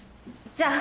じゃあ。